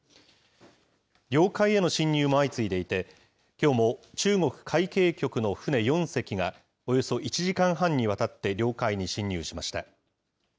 領海への侵入も相次いでいて、きょうも中国海警局の船４隻が、およそ１時間半にわたって領海に侵入しました。